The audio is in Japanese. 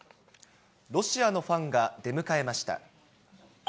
ロシアのファンが出迎えました。